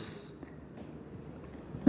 dan isi lambung dan usus